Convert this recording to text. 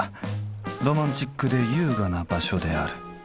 ロマンチックで優雅な場所である。